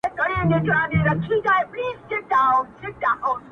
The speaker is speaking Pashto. له ظالم څخه به څنگه په امان سم!!